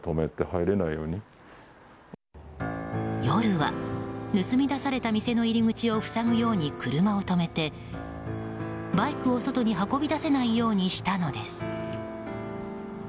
夜は、盗み出された店の入り口を塞ぐように車を止めて、バイクを外に運び出せないようにしたのです。